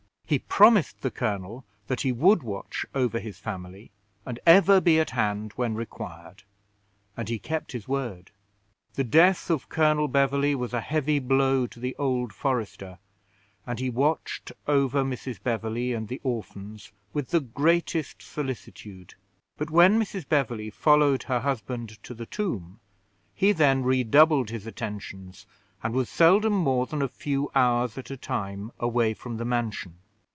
He promised the colonel that he would watch over his family, and ever be at hand when required; and he kept his word. The death of Colonel Beverley was a heavy blow to the old forester, and he watched over Mrs. Beverley and the orphans with the greatest solicitude; but when Mrs. Beverley followed her husband to the tomb, he then redoubled his attentions, and was seldom more than a few hours at a time away from the mansion.